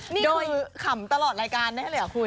นี่คือขำตลอดรายการแน่เลยหรอคุณ